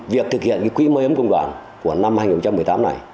việc thực hiện cái quỹ môi ấm công đoàn của năm hai nghìn một mươi tám này